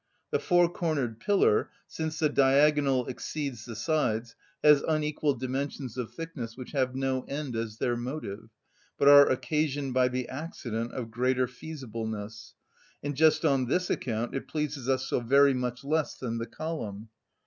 The four‐ cornered pillar, since the diagonal exceeds the sides, has unequal dimensions of thickness which have no end as their motive, but are occasioned by the accident of greater feasibleness; and just on this account it pleases us so very much less than the column.